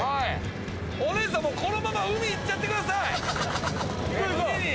お姉さん、もうこのまま海行っちゃってください！